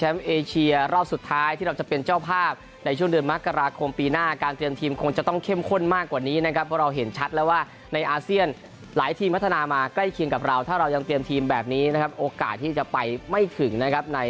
วิราวิจารณเชื้อข่าวไทยรัฐทีวีรายงาน